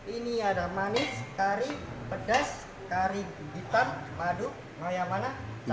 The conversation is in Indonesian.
ini ada manis kari pedas kari hitam madu mayamana